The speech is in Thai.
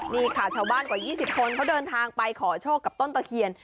นี่ค่ะชาวบ้านกว่า๒๐คนเขาเดินทางไปขอโชคกับต้นตะเคียน